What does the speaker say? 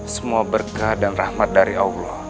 semua berkah dan rahmat dari allah